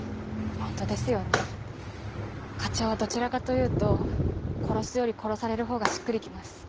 ホントですよね課長はどちらかというと殺すより殺されるほうがしっくり来ます。